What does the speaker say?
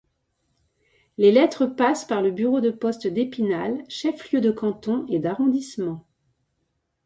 Les lettres passent par le bureau de poste d'Épinal, chef-lieu de canton et d'arrondissement.